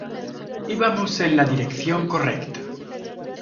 Íbamos en la dirección correcta.